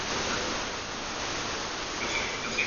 En la conferencia sur el Adelaide City fue el segundo finalista.